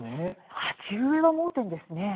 鉢植えは盲点ですね。